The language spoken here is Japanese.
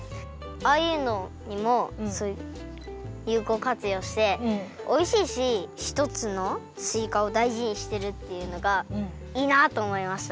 ああいうのにもそういうゆうこうかつようしておいしいしひとつのすいかをだいじにしてるっていうのがいいなとおもいました。